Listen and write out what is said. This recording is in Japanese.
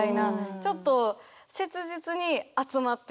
ちょっと切実に集まってる。